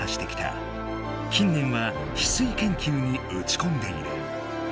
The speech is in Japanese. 近年はヒスイ研究にうちこんでいる。